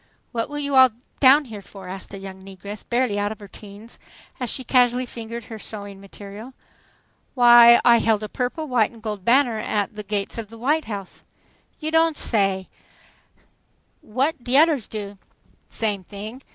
"What you all down here for?" asked a young negress, barely out of her teens, as she casually fingered her sewing material. "Why, I held a purple, white and gold banner at the gates of the White House." "You don' say so! What de odders do?" "Same thing.